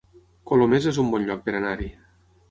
Colomers es un bon lloc per anar-hi